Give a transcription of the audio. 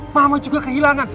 mama juga kehilangan